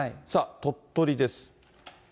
鳥取です。